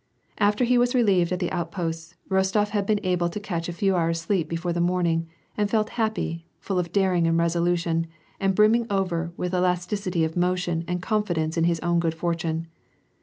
After he was relieved at the outposts, Rostof had been able to catch a few hours' sleep before morning, and felt happy, fitll of daring and resolution, and brrmraing over with elasti 1 city of motion and confidence in his own good fortune.